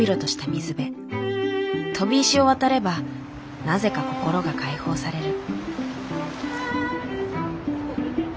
とび石を渡ればなぜか心が解放される。